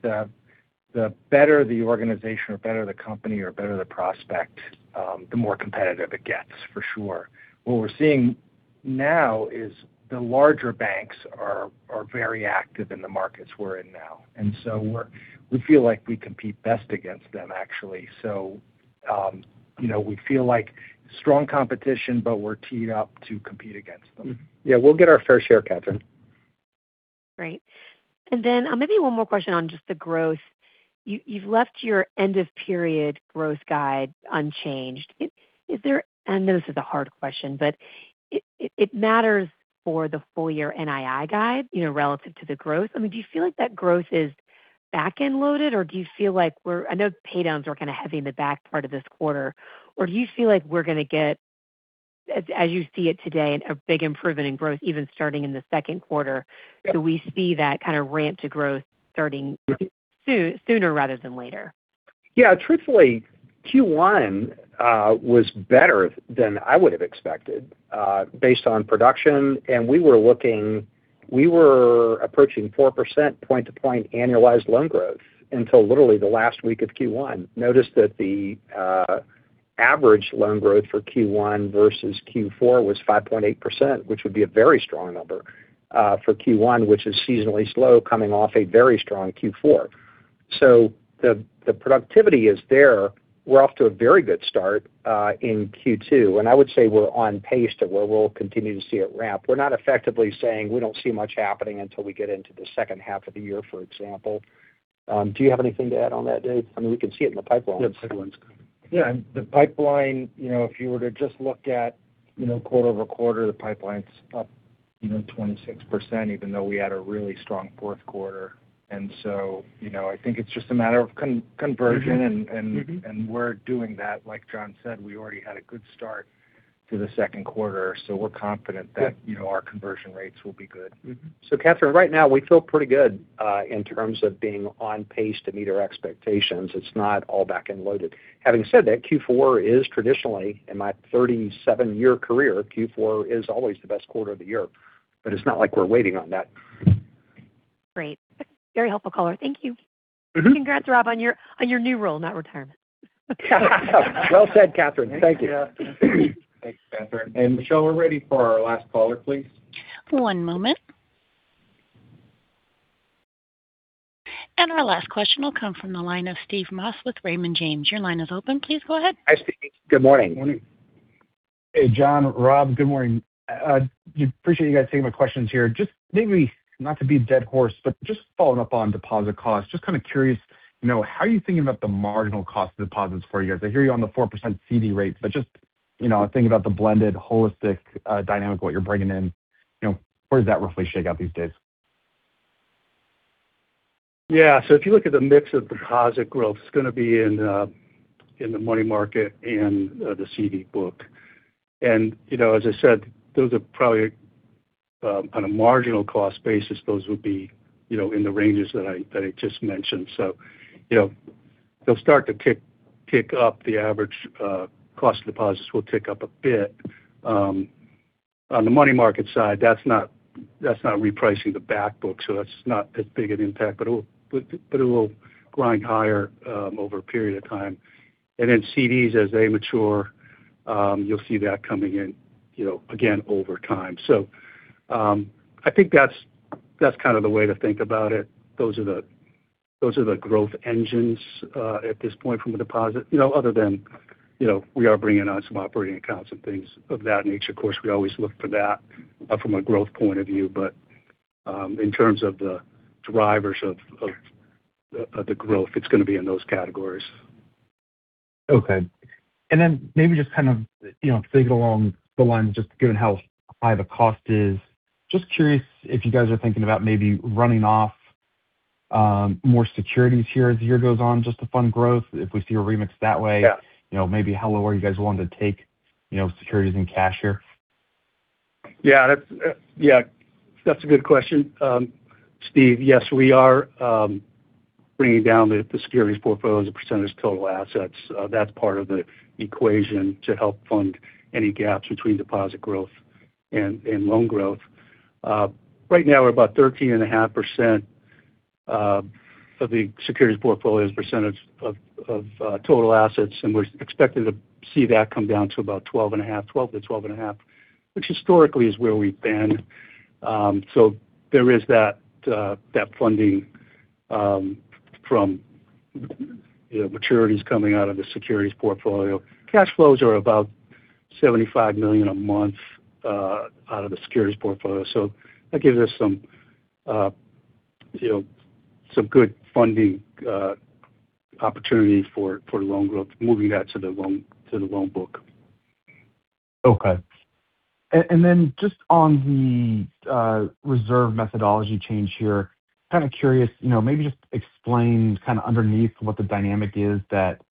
The better the organization or better the company or better the prospect, the more competitive it gets, for sure. What we're seeing now is the larger banks are very active in the markets we're in now, and so we feel like we compete best against them, actually. We feel like strong competition, but we're teed up to compete against them. Yeah, we'll get our fair share, Catherine. Great. Maybe one more question on just the growth. You've left your end of period growth guide unchanged. I know this is a hard question, but it matters for the full year NII guide, relative to the growth. I mean, do you feel like that growth is back-end loaded? I know pay downs are kind of heavy in the back part of this quarter. Or do you feel like we're going to get, as you see it today, a big improvement in growth even starting in the second quarter? Do we see that kind of ramp to growth starting sooner rather than later? Yeah. Truthfully, Q1 was better than I would have expected based on production. We were approaching 4% point to point annualized loan growth until literally the last week of Q1. Notice that the average loan growth for Q1 versus Q4 was 5.8%, which would be a very strong number for Q1, which is seasonally slow coming off a very strong Q4. The productivity is there. We're off to a very good start in Q2, and I would say we're on pace to where we'll continue to see it ramp. We're not effectively saying we don't see much happening until we get into the second half of the year, for example. Do you have anything to add on that, Dave? I mean, we can see it in the pipeline. Yeah, the pipeline, if you were to just look at quarter-over-quarter, the pipeline's up 26%, even though we had a really strong fourth quarter. I think it's just a matter of conversion, and we're doing that. Like John said, we already had a good start to the second quarter, so we're confident that our conversion rates will be good. Catherine, right now we feel pretty good in terms of being on pace to meet our expectations. It's not all back-end loaded. Having said that, Q4 is traditionally, in my 37-year career, Q4 is always the best quarter of the year. It's not like we're waiting on that. Great. Very helpful caller. Thank you. Mm-hmm. Congrats, Rob, on your new role, not retirement. Well said, Catherine. Thank you. Thanks, Catherine. Michelle, we're ready for our last caller, please. One moment. Our last question will come from the line of Steve Moss with Raymond James. Your line is open. Please go ahead. Hi, Steve. Good morning. Morning. Hey, John, Rob. Good morning. Appreciate you guys taking my questions here. Maybe not to beat a dead horse, but just following up on deposit costs. Just kind of curious, how are you thinking about the marginal cost deposits for you guys? I hear you on the 4% CD rates, but just thinking about the blended holistic dynamic, what you're bringing in, where does that roughly shake out these days? Yeah. If you look at the mix of deposit growth, it's going to be in the money market and the CD book. As I said, those are probably on a marginal cost basis. Those would be in the ranges that I just mentioned. They'll start to kick up. The average cost of deposits will tick up a bit. On the money market side, that's not repricing the back book, so that's not as big an impact, but it will grind higher over a period of time. Then CDs as they mature, you'll see that coming in again over time. I think that's kind of the way to think about it. Those are the growth engines at this point from a deposit other than we are bringing on some operating accounts and things of that nature. Of course, we always look for that from a growth point of view, but in terms of the drivers of the growth, it's going to be in those categories. Okay. Maybe just kind of thinking along the lines, just given how high the cost is, just curious if you guys are thinking about maybe running off more securities here as the year goes on just to fund growth, if we see a remix that way? Yeah. Maybe how low are you guys willing to take securities and cash here? Yeah. That's a good question. Steve, yes, we are bringing down the securities portfolio as a percentage of total assets. That's part of the equation to help fund any gaps between deposit growth and loan growth. Right now we're about 13.5% of the securities portfolio as a percentage of total assets, and we're expected to see that come down to about 12%-12.5%, which historically is where we've been. There is that funding from maturities coming out of the securities portfolio. Cash flows are about $75 million a month out of the securities portfolio. That gives us some good funding opportunities for loan growth, moving that to the loan book. Okay. Just on the reserve methodology change here, kind of curious, maybe just explain kind of underneath what the dynamic is that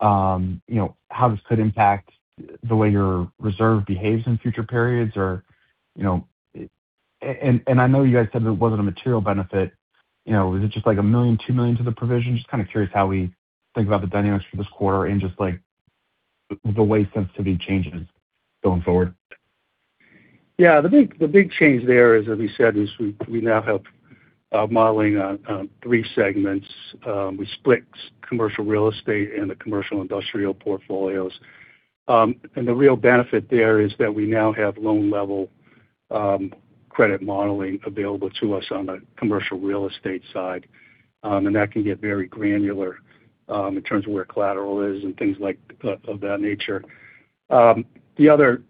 how this could impact the way your reserve behaves in future periods or. I know you guys said that it wasn't a material benefit. Is it just like $1 million, $2 million to the provision? Just kind of curious how we think about the dynamics for this quarter and just like the way sensitivity changes going forward. Yeah. The big change there is, as we said, is we now have modeling on three segments. We split commercial real estate and the commercial industrial portfolios. The real benefit there is that we now have loan-level credit modeling available to us on the commercial real estate side. That can get very granular in terms of where collateral is and things of that nature. The other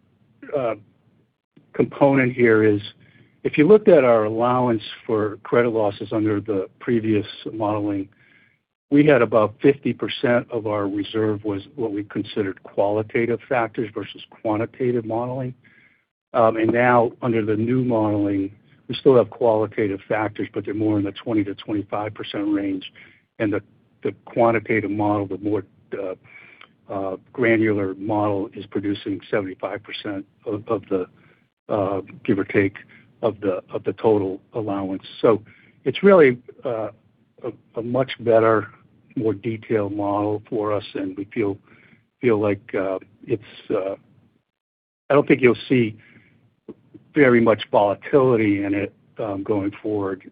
component here is if you looked at our allowance for credit losses under the previous modeling, we had about 50% of our reserve was what we considered qualitative factors versus quantitative modeling. Now under the new modeling, we still have qualitative factors, but they're more in the 20%-25% range. The quantitative model, the more granular model, is producing 75%, give or take, of the total allowance. It's really a much better, more detailed model for us, and we feel like it's. I don't think you'll see very much volatility in it going forward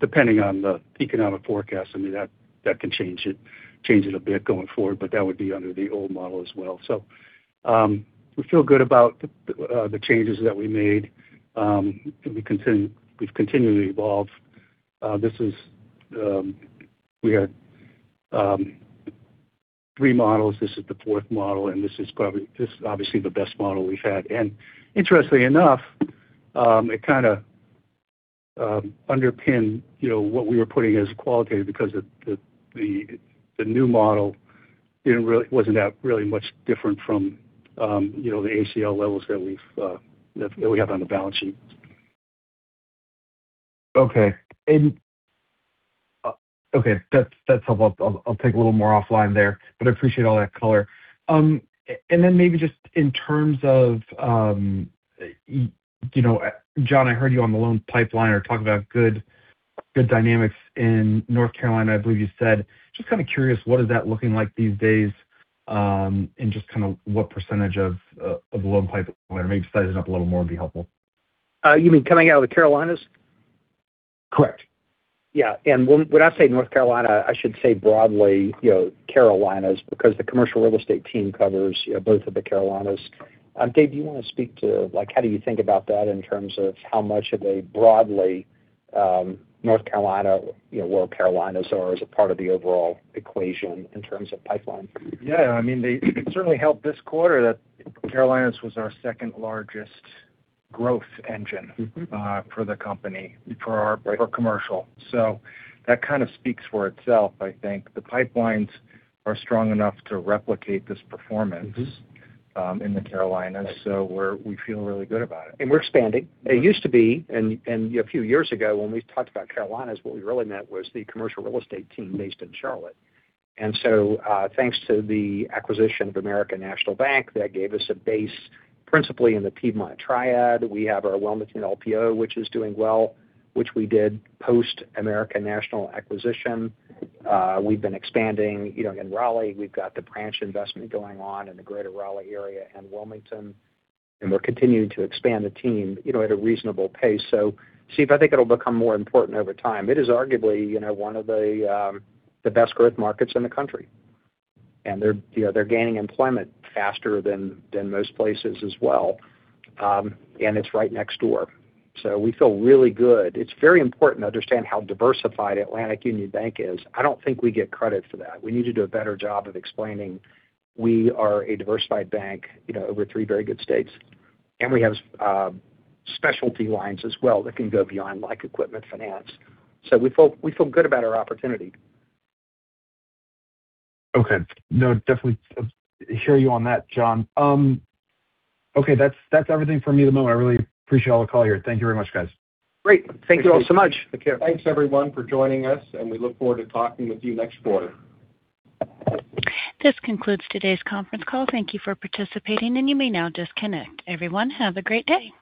depending on the economic forecast. That can change it a bit going forward, but that would be under the old model as well. We feel good about the changes that we made. We've continually evolved. We had three models. This is the fourth model, and this is obviously the best model we've had. Interestingly enough, it kind of underpinned what we were putting as qualitative because the new model wasn't that really much different from the ACL levels that we have on the balance sheets. Okay. That's helpful. I'll take a little more offline there, but I appreciate all that color. Maybe just in terms of, John, I heard you on the loan pipeline or talk about good dynamics in North Carolina, I believe you said. Just kind of curious, what is that looking like these days? Just kind of what percentage of the loan pipe, or maybe sizing up a little more would be helpful. You mean coming out of the Carolinas? Correct. Yeah. When I say North Carolina, I should say broadly Carolinas because the commercial real estate team covers both of the Carolinas. Dave, do you want to speak to how do you think about that in terms of how much of a broadly North Carolina, where Carolinas are as a part of the overall equation in terms of pipeline? Yeah. It certainly helped this quarter that Carolinas was our second largest growth engine for the company, for our commercial. That kind of speaks for itself, I think. The pipelines are strong enough to replicate this performance in the Carolinas. We feel really good about it. We're expanding. It used to be, and a few years ago when we talked about Carolinas, what we really meant was the commercial real estate team based in Charlotte. Thanks to the acquisition of American National Bank, that gave us a base principally in the Piedmont Triad. We have our Wilmington LPO, which is doing well, which we did post American National acquisition. We've been expanding in Raleigh. We've got the branch investment going on in the greater Raleigh area and Wilmington, and we're continuing to expand the team at a reasonable pace. Steve, I think it'll become more important over time. It is arguably one of the best growth markets in the country. They're gaining employment faster than most places as well. It's right next door. We feel really good. It's very important to understand how diversified Atlantic Union Bank is. I don't think we get credit for that. We need to do a better job of explaining we are a diversified bank over three very good states. We have specialty lines as well that can go beyond, like equipment finance. We feel good about our opportunity. Okay. No, definitely hear you on that, John. Okay, that's everything for me at the moment. I really appreciate all the call here. Thank you very much, guys. Great. Thank you all so much. Take care. Thanks everyone for joining us, and we look forward to talking with you next quarter. This concludes today's conference call. Thank you for participating, and you may now disconnect. Everyone, have a great day.